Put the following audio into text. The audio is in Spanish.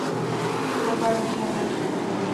Copa Regional.